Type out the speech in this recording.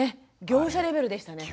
業者レベルでしたね。